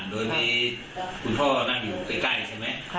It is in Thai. โดยมีคุณพ่อนั่งอยู่ใกล้ใช่ไหม